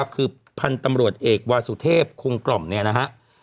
คือพันธุ์ตำรวจเอกวาสุเทพคงกล่อมเนี่ยนะฮะ